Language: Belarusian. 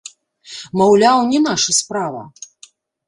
Маўляў, не наша справа.